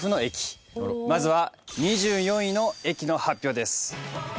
まずは、２４位の駅の発表です。